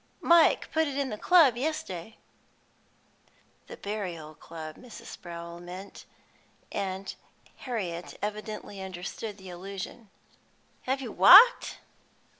Mike put it in the club yes'day." The burial club, Mrs. Sprowl meant, and Harriet evidently understood the allusion. "Have you walked?"